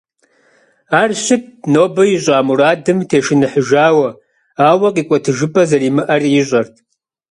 Ар щытт нобэ ищӏа мурадым тешыныхьыжауэ, ауэ къикӏуэтыжыпӏэ зэримыӏэри ищӏэрт.